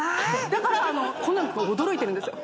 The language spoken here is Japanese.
だからコナン君驚いてるんですよ。